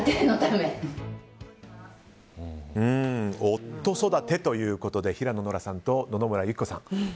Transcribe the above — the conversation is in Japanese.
夫育てということで平野ノラさんと野々村友紀子さん。